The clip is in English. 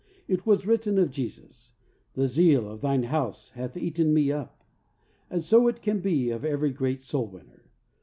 It was written of Jesus, "The zeal of Thine house hath eaten me up," and so it can be of every great soul winner.